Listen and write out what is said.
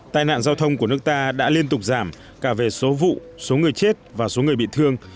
tai nạn giao thông của nước ta đã liên tục giảm cả về số vụ số người chết và số người bị thương